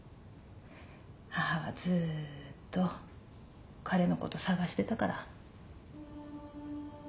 母はずーっと彼のこと捜してたから。